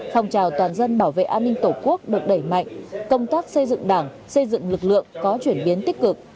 phòng trào toàn dân bảo vệ an ninh tổ quốc được đẩy mạnh công tác xây dựng đảng xây dựng lực lượng có chuyển biến tích cực